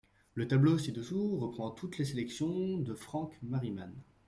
Le tableau ci-dessous reprend toutes les sélections de Frank Mariman.